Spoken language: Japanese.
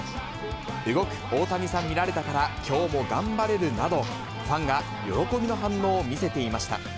動く大谷さん見られたから、きょうも頑張れるなど、ファンが喜びの反応を見せていました。